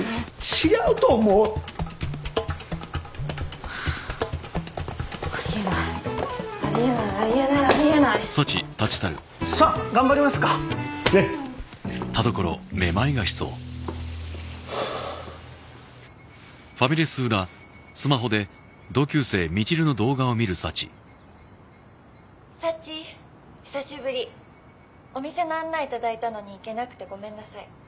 違うと思うありえないありえないありえないありえないさあ頑張りますかねっサチ久しぶりお店の案内いただいたのに行けなくてごめんなさい